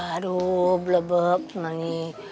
aduh mabuk banget ini